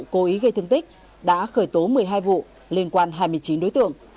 cố ý gây thương tích đã khởi tố một mươi hai vụ liên quan hai mươi chín đối tượng